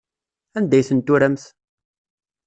Anda ay ten-turamt?